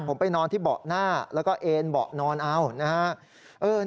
ผมไปนอนที่เบาะหน้าแล้วก็เอ็นเบาะนอนเอานะครับ